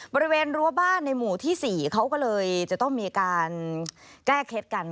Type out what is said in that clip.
บริเวณรั้วบ้านในหมู่ที่๔เขาก็เลยจะต้องมีการแก้เคล็ดกัน